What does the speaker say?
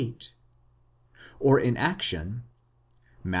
68), or in action (Matt.